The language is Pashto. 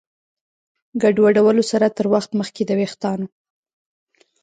ګډوډولو سره تر وخت مخکې د ویښتانو